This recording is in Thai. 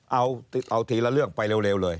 เอาทีละเรื่องไปเร็วเลย